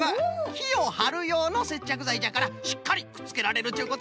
きをはるようのせっちゃくざいじゃからしっかりくっつけられるっちゅうことですな。